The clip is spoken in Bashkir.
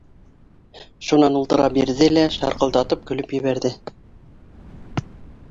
Шунан ултыра бирҙе лә шарҡылдатып көлөп ебәрҙе.